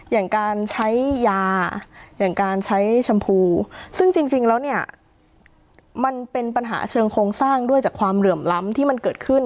อย่างการใช้ยาอย่างการใช้ชมพูซึ่งจริงแล้วเนี่ยมันเป็นปัญหาเชิงโครงสร้างด้วยจากความเหลื่อมล้ำที่มันเกิดขึ้น